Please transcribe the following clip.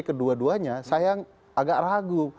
kedua duanya saya agak ragu